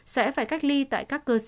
sẽ phải cách ly tại các quốc gia